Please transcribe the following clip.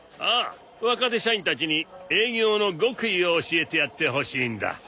ああ若手社員たちに営業の極意を教えてやってほしいんだ。